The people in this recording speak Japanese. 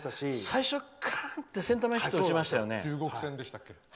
最初、カーン！ってセンター前ヒット打ちましたよね。